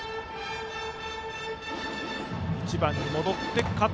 １番に戻って、加統。